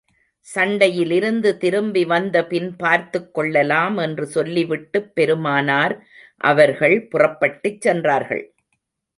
சண்டையிலிருந்து திரும்பி வந்த பின் பார்த்துக் கொள்ளலாம் என்று சொல்லிவிட்டுப் பெருமானார் அவர்கள் புறப்பட்டுச் சென்றார்கள்.